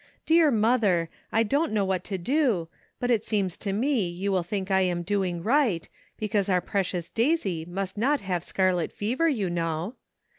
Dear mother, I don't know what to do, but it seems to me you will think I am doing right, because our precious Daisy must not have scarlet fever, you know.